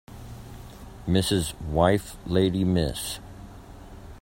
Mrs. wife lady Miss